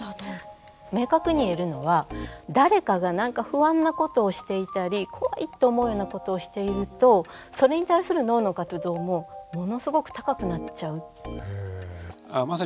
明確に言えるのは誰かが何か不安なことをしていたり怖いと思うようなことをしているとそれに対する脳の活動もものすごく高くなっちゃう。